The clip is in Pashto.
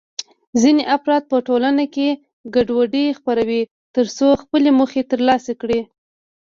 ځینې افراد په ټولنه کې ګډوډي خپروي ترڅو خپلې موخې ترلاسه کړي.